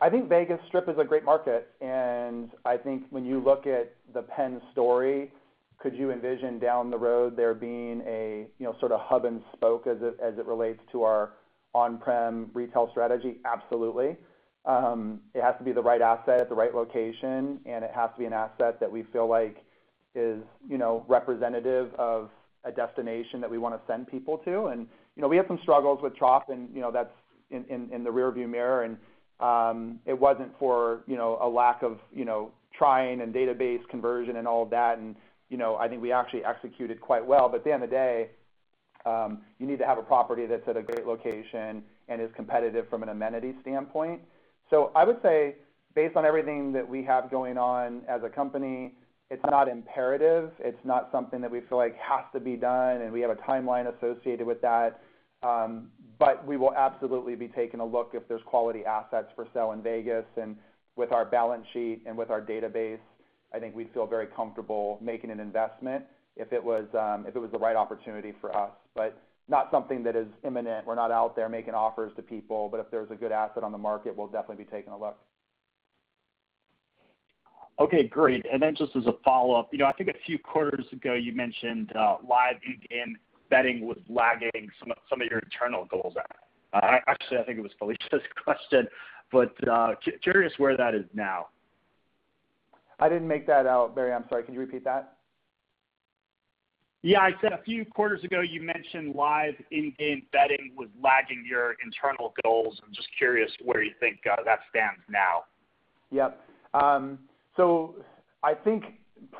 S3: I think Vegas Strip is a great market, and I think when you look at the PENN story, could you envision down the road there being a sort of hub and spoke as it relates to our on-prem retail strategy? Absolutely. It has to be the right asset at the right location, and it has to be an asset that we feel like is representative of a destination that we want to send people to. We had some struggles with Trop and that's in the rear-view mirror, and it wasn't for a lack of trying and database conversion and all of that. I think we actually executed quite well, but at the end of the day, you need to have a property that's at a great location and is competitive from an amenity standpoint. I would say based on everything that we have going on as a company, it's not imperative. It's not something that we feel like has to be done, and we have a timeline associated with that. We will absolutely be taking a look if there's quality assets for sale in Vegas, and with our balance sheet and with our database, I think we'd feel very comfortable making an investment if it was the right opportunity for us. Not something that is imminent. We're not out there making offers to people, but if there's a good asset on the market, we'll definitely be taking a look.
S11: Okay, great. Just as a follow-up, I think a few quarters ago, you mentioned live in-game betting was lagging some of your internal goals. Actually, I think it was Felicia's question, but curious where that is now.
S3: I didn't make that out, Barry. I'm sorry. Could you repeat that?
S11: Yeah, I said a few quarters ago you mentioned live in-game betting was lagging your internal goals. I'm just curious where you think that stands now.
S3: Yep. I think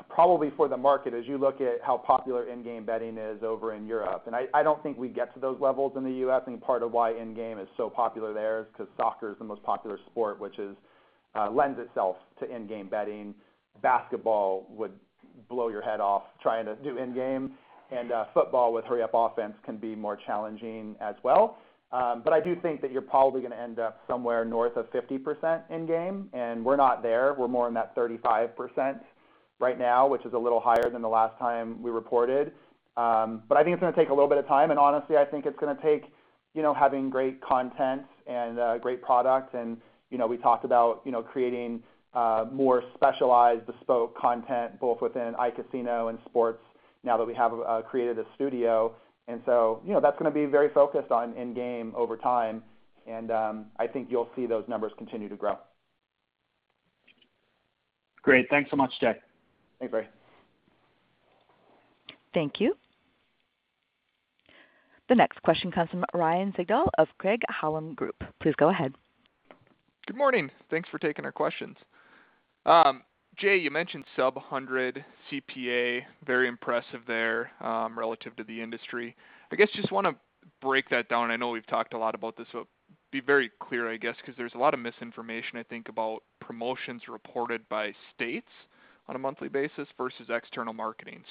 S3: probably for the market, as you look at how popular in-game betting is over in Europe, and I don't think we get to those levels in the U.S. I think part of why in-game is so popular there is because soccer is the most popular sport, which lends itself to in-game betting. Basketball would blow your head off trying to do in-game, and football with hurry-up offense can be more challenging as well. I do think that you're probably going to end up somewhere north of 50% in-game, and we're not there. We're more in that 35% right now, which is a little higher than the last time we reported. I think it's going to take a little bit of time, and honestly, I think it's going to take having great content and great product. We talked about creating more specialized bespoke content both within iCasino and sports now that we have created a studio. That's going to be very focused on in-game over time. I think you'll see those numbers continue to grow.
S11: Great. Thanks so much, Jay.
S3: Thanks, Barry.
S1: Thank you. The next question comes from Ryan Sigdahl of Craig-Hallum Group. Please go ahead.
S12: Good morning. Thanks for taking our questions. Jay, you mentioned sub 100 CPA, very impressive there, relative to the industry. I guess just want to break that down. I know we've talked a lot about this, so be very clear, I guess, because there's a lot of misinformation, I think, about promotions reported by states on a monthly basis versus external marketing.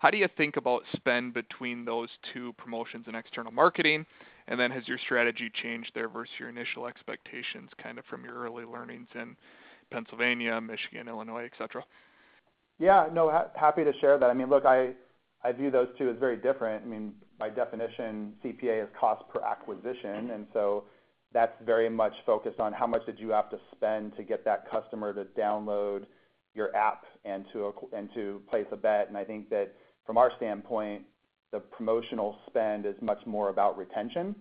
S12: How do you think about spend between those two, promotions and external marketing? Has your strategy changed there versus your initial expectations from your early learnings in Pennsylvania, Michigan, Illinois, et cetera?
S3: Yeah, no, happy to share that. Look, I view those two as very different. By definition, CPA is cost per acquisition, that's very much focused on how much did you have to spend to get that customer to download your app and to place a bet. I think that from our standpoint, the promotional spend is much more about retention.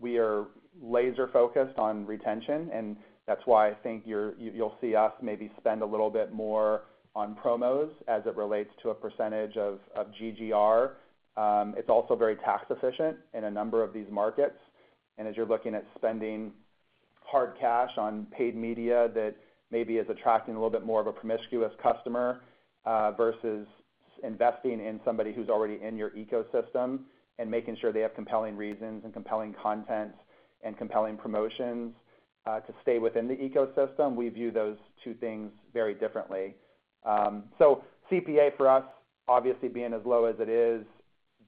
S3: We are laser-focused on retention, that's why I think you'll see us maybe spend a little bit more on promos as it relates to a percentage of GGR. It's also very tax efficient in a number of these markets. As you're looking at spending hard cash on paid media that maybe is attracting a little bit more of a promiscuous customer, versus investing in somebody who's already in your ecosystem and making sure they have compelling reasons and compelling content and compelling promotions, to stay within the ecosystem, we view those two things very differently. CPA for us, obviously being as low as it is,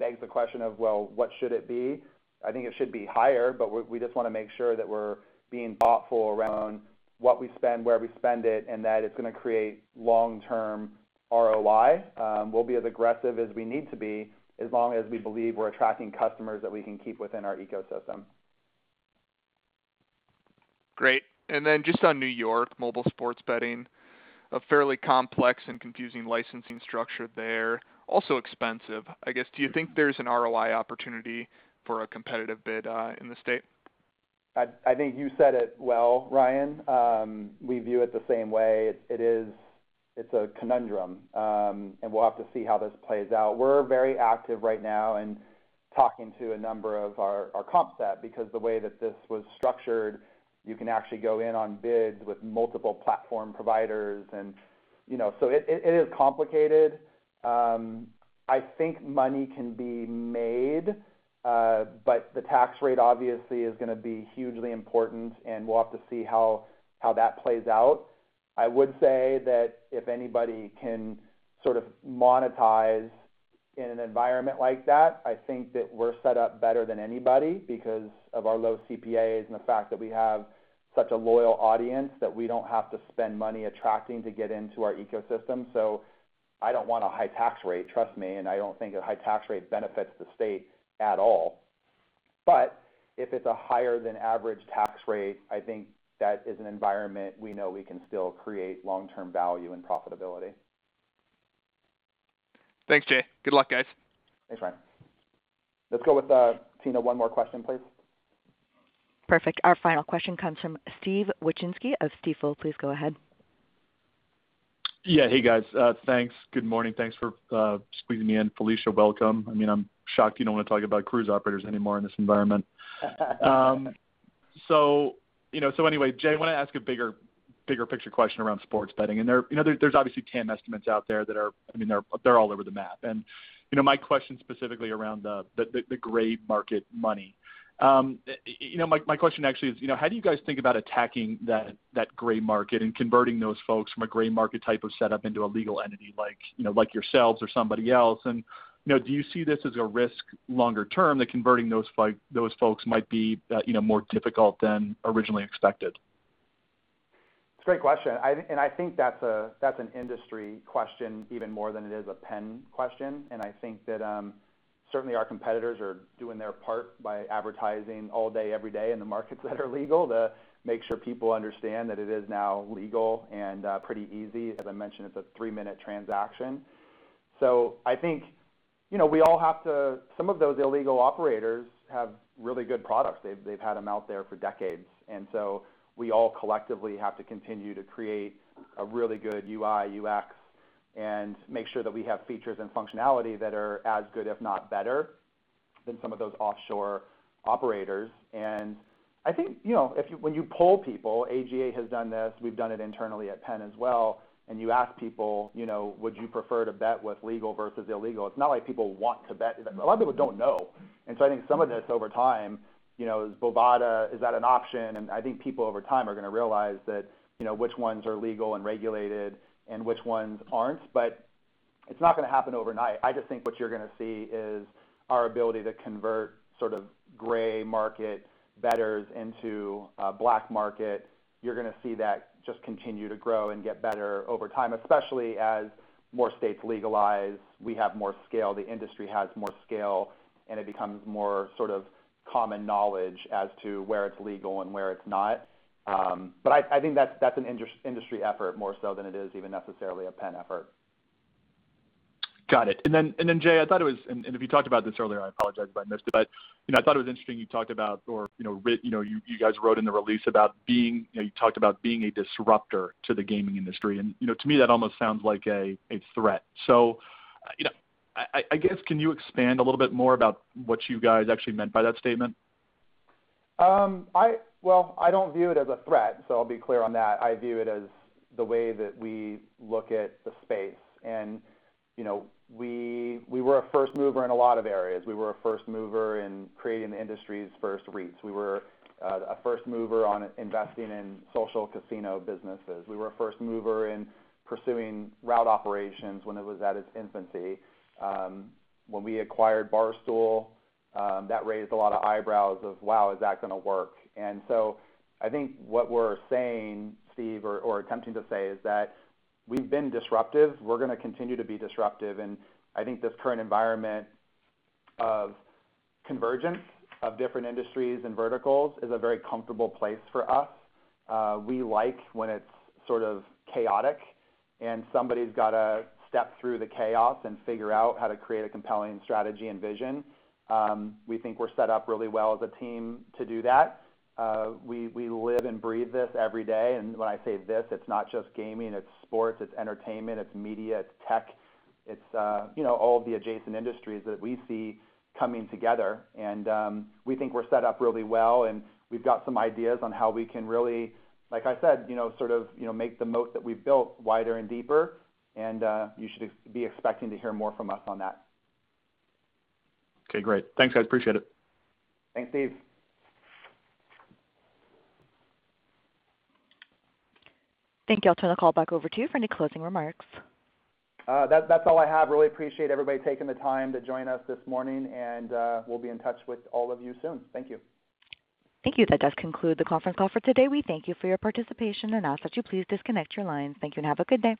S3: begs the question of, well, what should it be? I think it should be higher, but we just want to make sure that we're being thoughtful around what we spend, where we spend it, and that it's going to create long-term ROI. We'll be as aggressive as we need to be, as long as we believe we're attracting customers that we can keep within our ecosystem.
S12: Great. Just on New York mobile sports betting, a fairly complex and confusing licensing structure there. Also expensive. I guess, do you think there's an ROI opportunity for a competitive bid in the state?
S3: I think you said it well, Ryan. We view it the same way. It's a conundrum. We'll have to see how this plays out. We're very active right now in talking to a number of our comp set because the way that this was structured, you can actually go in on bids with multiple platform providers and so it is complicated. I think money can be made, but the tax rate obviously is going to be hugely important, and we'll have to see how that plays out. I would say that if anybody can sort of monetize in an environment like that, I think that we're set up better than anybody because of our low CPAs and the fact that we have such a loyal audience that we don't have to spend money attracting to get into our ecosystem. I don't want a high tax rate, trust me, and I don't think a high tax rate benefits the state at all. If it's a higher than average tax rate, I think that is an environment we know we can still create long-term value and profitability.
S12: Thanks, Jay. Good luck, guys.
S3: Thanks, Ryan. Let's go with Tina, one more question, please.
S1: Perfect. Our final question comes from Steven Wieczynski of Stifel. Please go ahead.
S13: Yeah. Hey, guys. Thanks. Good morning. Thanks for squeezing me in. Felicia, welcome. I'm shocked you don't want to talk about cruise operators anymore in this environment. Anyway, Jay, I want to ask a bigger picture question around sports betting. There's obviously TAM estimates out there that are all over the map. My question's specifically around the gray market money. My question actually is, how do you guys think about attacking that gray market and converting those folks from a gray market type of setup into a legal entity like yourselves or somebody else? Do you see this as a risk longer term, that converting those folks might be more difficult than originally expected?
S3: It's a great question. I think that's an industry question even more than it is a PENN question. I think that certainly our competitors are doing their part by advertising all day, every day in the markets that are legal to make sure people understand that it is now legal and pretty easy. As I mentioned, it's a three-minute transaction. I think some of those illegal operators have really good products. They've had them out there for decades. We all collectively have to continue to create a really good UI, UX and make sure that we have features and functionality that are as good, if not better than some of those offshore operators. I think, when you poll people, AGA has done this, we've done it internally at Penn as well, you ask people, "Would you prefer to bet with legal versus illegal?" It's not like people want to bet. A lot of people don't know. I think some of this over time, is Bovada, is that an option? I think people over time are going to realize which ones are legal and regulated and which ones aren't, but it's not going to happen overnight. I just think what you're going to see is our ability to convert sort of gray market bettors into uncertain You're going to see that just continue to grow and get better over time, especially as more states legalize, we have more scale, the industry has more scale, and it becomes more sort of common knowledge as to where it's legal and where it's not. I think that's an industry effort more so than it is even necessarily a PENN effort.
S13: Got it. Jay, if you talked about this earlier, I apologize if I missed it, but I thought it was interesting you talked about, or you guys wrote in the release, you talked about being a disruptor to the gaming industry. To me, that almost sounds like a threat. I guess, can you expand a little bit more about what you guys actually meant by that statement?
S3: Well, I don't view it as a threat, so I'll be clear on that. I view it as the way that we look at the space. We were a first mover in a lot of areas. We were a first mover in creating the industry's first REITs. We were a first mover on investing in social casino businesses. We were a first mover in pursuing route operations when it was at its infancy. When we acquired Barstool, that raised a lot of eyebrows of, "Wow, is that going to work?" I think what we're saying, Steve, or attempting to say, is that we've been disruptive. We're going to continue to be disruptive. I think this current environment of convergence of different industries and verticals is a very comfortable place for us. We like when it's sort of chaotic and somebody's got to step through the chaos and figure out how to create a compelling strategy and vision. We think we're set up really well as a team to do that. We live and breathe this every day. When I say this, it's not just gaming, it's sports, it's entertainment, it's media, it's tech, it's all of the adjacent industries that we see coming together. We think we're set up really well, and we've got some ideas on how we can really, like I said, sort of make the moat that we've built wider and deeper. You should be expecting to hear more from us on that.
S13: Okay, great. Thanks, guys. Appreciate it.
S3: Thanks, Steven.
S1: Thank you. I'll turn the call back over to you for any closing remarks.
S3: That's all I have. Really appreciate everybody taking the time to join us this morning, and we'll be in touch with all of you soon. Thank you.
S1: Thank you. That does conclude the conference call for today. We thank you for your participation and ask that you please disconnect your lines. Thank you, and have a good day.